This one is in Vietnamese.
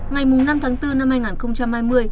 ngày năm tháng bốn năm hai nghìn hai mươi